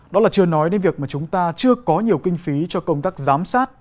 đó là chưa nói đến việc mà chúng ta chưa có nhiều kinh phí cho công tác giám sát